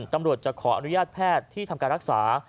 ตำรวจจะขออนุญาตแพทย์ที่ทำการรักษา